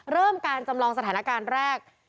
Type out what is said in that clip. เริ่มการจำลองสถานการณ์แรก